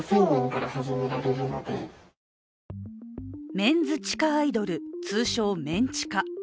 メンズ地下アイドル、通称・メン地下。